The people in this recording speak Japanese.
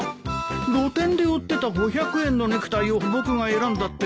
露店で売ってた５００円のネクタイを僕が選んだって？